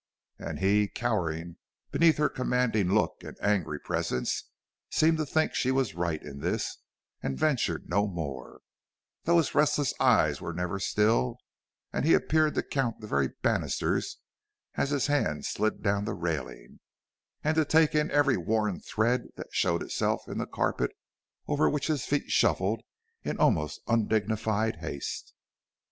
And he, cowering beneath her commanding look and angry presence, seemed to think she was right in this and ventured no more, though his restless eyes were never still, and he appeared to count the very banisters as his hand slid down the railing, and to take in every worn thread that showed itself in the carpet over which his feet shuffled in almost undignified haste.